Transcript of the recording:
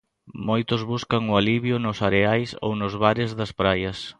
Moitos buscan o alivio nos areais ou nos bares das praias.